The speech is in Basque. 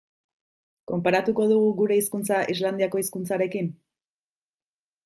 Konparatuko dugu gure hizkuntza Islandiako hizkuntzarekin?